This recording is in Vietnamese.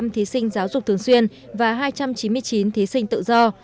một mươi thí sinh giáo dục thường xuyên và hai trăm chín mươi chín thí sinh tự do